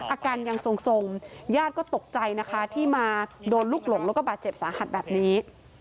อาการยังทรงญาติก็ตกใจนะคะที่มาโดนลูกหลงแล้วก็บาดเจ็บสาหัสแบบนี้